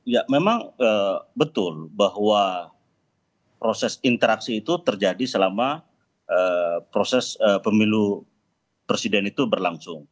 ya memang betul bahwa proses interaksi itu terjadi selama proses pemilu presiden itu berlangsung